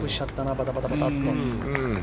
バタバタバタっと。